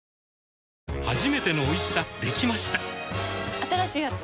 新しいやつ？